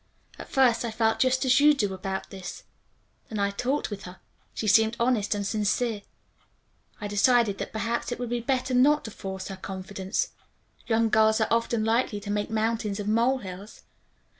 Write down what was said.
"At first I felt just as you do about this. Then I talked with her. She seemed honest and sincere. I decided that perhaps it would be better not to force her confidence. Young girls are often likely to make mountains of mole hills.